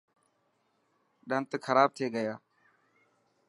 ڏنت خراب ٿي گيا.